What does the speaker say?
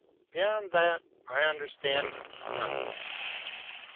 Beyond that, I understand nothing.